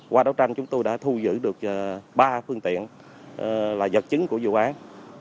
qua đấu tranh chúng tôi đã thu giữ được ba phương tiện là vật chứng của vụ án